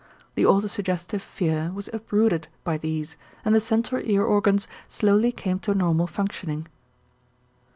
The autosuggestive fear was uprooted by these and the central ear organs slowly came to normal functioning.